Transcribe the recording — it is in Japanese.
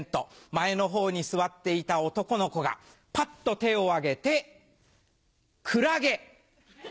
前の方に座っていた男の子がパッと手を挙げて「クラゲ」。